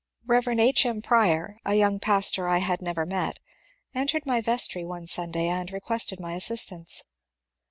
Rev. H. M. Prior, a young pastor I had never met, entered my vestry one Sunday and requested my assistance.